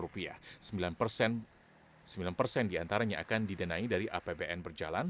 sembilan persen diantaranya akan didanai dari apbn berjalan